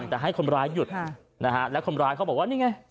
แต่ให้คนร้ายหยุดนะฮะแล้วคนร้ายเขาบอกว่านี่ไง